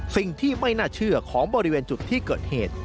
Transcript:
สิ่งที่ไม่น่าเชื่อของบริเวณจุดที่เกิดเหตุ